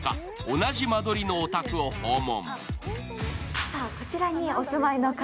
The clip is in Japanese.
同じ間取りのお宅を訪問。